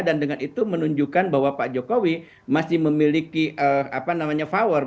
dan dengan itu menunjukkan bahwa pak jokowi masih memiliki power